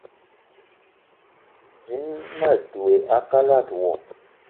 Dím ma dwé a kalada wo